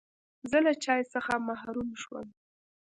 زه له چای څخه محروم شوم.